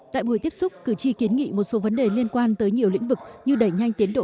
tại buổi tiếp xúc cử tri kiến nghị một số vấn đề liên quan tới nhiều lĩnh vực như đẩy nhanh tiến độ